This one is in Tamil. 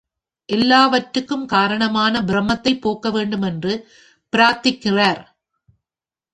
எல்லாவற்றுக்கும் காரணமான ப்ரமத்தைப் போக்க வேண்டும் என்று பிரார்த்திக்கிறார்.